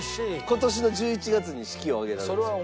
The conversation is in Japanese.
今年の１１月に式を挙げられます。